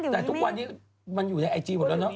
แต่ทุกวันนี้มันอยู่ในไอจีหมดแล้วเนอ